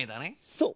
そう！